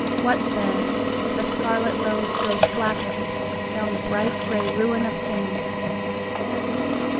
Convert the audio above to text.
What, then, if a scarlet rose goes flappingDown the bright grey ruin of things!